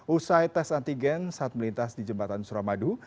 usai tes antigen saat melintas di jembatan suramadu